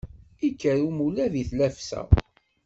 Ikker umulab i tlafsa.